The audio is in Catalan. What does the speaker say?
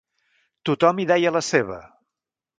Tothom hi deia la seva.